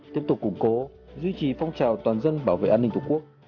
tiếp tục củng cố duy trì phong trào toàn dân bảo vệ an ninh tổ quốc